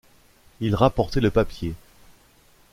Il rapportait le papier.